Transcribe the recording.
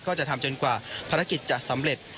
ก็จะทำจนกว่าภารกิจจะสำเร็จ